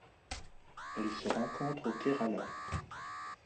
Elle se rencontre au Kerala.